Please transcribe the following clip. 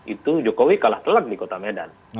itu jokowi kalah telak di kota medan